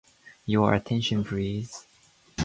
Your attention, please.